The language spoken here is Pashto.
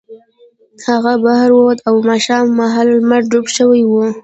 هغه بهر ووت او ماښام مهال لمر ډوب شوی و